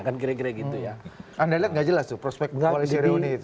anda lihat nggak jelas tuh prospek koalisi reuni itu